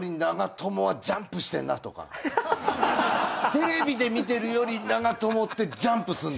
テレビで見てるより長友ってジャンプするんだ。